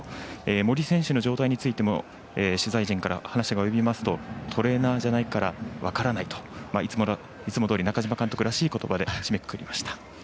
森選手の状態についても取材陣から話が及ぶとトレーナーじゃないから分からないといつもどおり中嶋監督らしい言葉で締めくくりました。